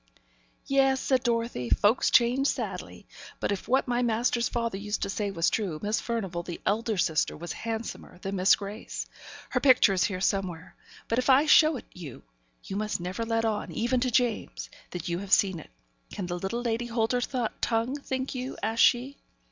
'Yes,' said Dorothy. 'Folks change sadly. But if what my master's father used to say was true, Miss Furnivall, the elder sister, was handsomer than Miss Grace. Her picture is here somewhere; but, if I show it you, you must never let on, even to James, that you have seen it. Can the little lady hold her tongue, think you?' asked she.